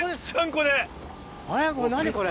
これ何これ！